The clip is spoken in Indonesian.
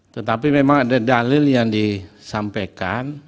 tetapi memang ada dalil yang disampaikan